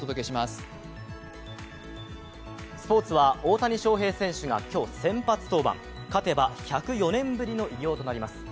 スポーツは大谷翔平選手が登板勝てば１０４年ぶりの偉業となります